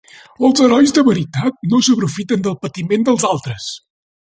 Els herois de veritat no s'aprofiten del patiment dels altres.